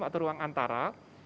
atau ruang antara